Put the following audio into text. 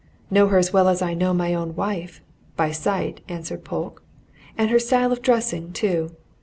"Know her as well as I know my own wife by sight," answered Polke. "And her style of dressing, too.